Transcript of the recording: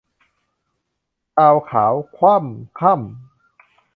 ชาวขาวคว่ำค่ำ